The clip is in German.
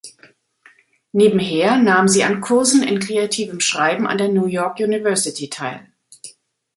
Nebenher nahm sie an Kursen in Kreativem Schreiben an der New York University teil.